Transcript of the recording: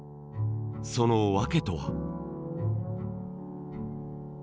その訳とは？